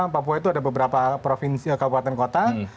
papua itu ada beberapa kabupaten kota